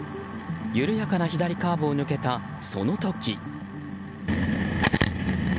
緩やかな左カーブを抜けたその時。